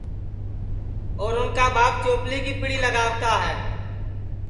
اور اُن کا ٻاپ چوپلی کی پیڑی لگاوتا ہے